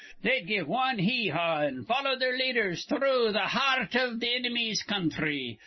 They'd give wan hew haw, an' follow their leaders through th' hear rt iv th' inimy's counthry.